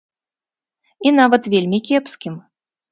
І нават вельмі кепскім.